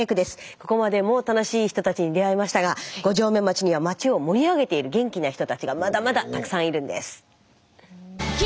ここまでも楽しい人たちに出会いましたが五城目町には町を盛り上げている元気な人たちがまだまだたくさんいるんです。